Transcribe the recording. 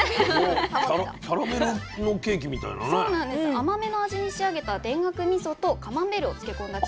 甘めの味に仕上げた田楽みそとカマンベールを漬け込んだチーズとなっています。